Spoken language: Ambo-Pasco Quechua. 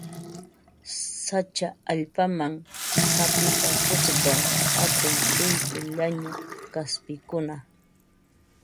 Sacha allpaman hapipakusqan hatun suytu llañu kaspikuna